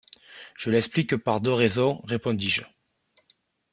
Je l’explique par deux raisons, répondis-je.